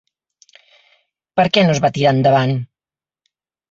Per què no es va tirar endavant?